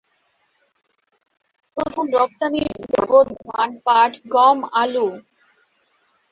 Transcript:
প্রধান রপ্তানিদ্রব্য ধান, পাট, গম, আলু।